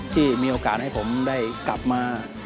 ที่มีโอกาสให้ผมได้กลับมา